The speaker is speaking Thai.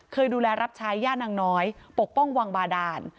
เคยดูแลรับใช้ย่านางน้อยปกป้องวังบาดาน